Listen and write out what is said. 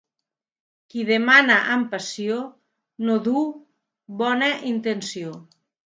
Qui demana amb passió no duu bona intenció.